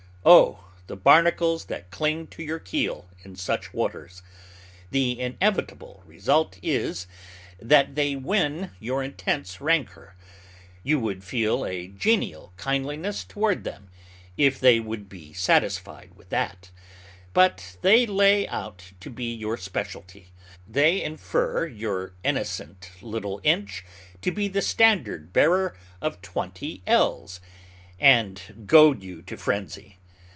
O, the barnacles that cling to your keel in such waters! The inevitable result is, that they win your intense rancor. You would feel a genial kindliness toward them, if they would be satisfied with that; but they lay out to be your specialty. They infer your innocent little inch to be the standard bearer of twenty ells, and goad you to frenzy.